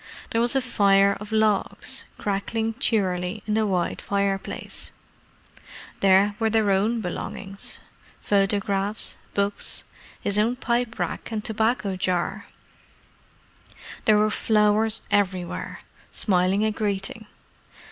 There was a fire of logs, crackling cheerily in the wide fireplace: there were their own belongings—photographs, books, his own pipe rack and tobacco jar: there were flowers everywhere, smiling a greeting.